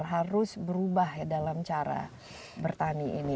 harus berubah ya dalam cara bertani ini